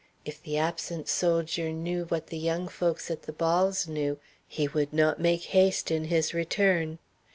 If the absent soldier knew what the young folks at the balls knew, he would not make haste in his return.